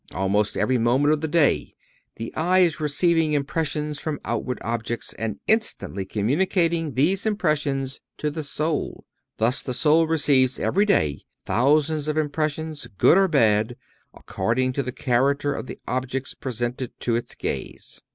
Almost every moment of the day the eye is receiving impressions from outward objects and instantly communicating these impressions to the soul. Thus the soul receives every day thousands of impressions, good or bad, according to the character of the objects presented to its gaze.